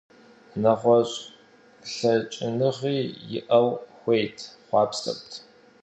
Нэгъуэщӏ лъэкӏыныгъи иӏэну хуейт, хъуапсэрт.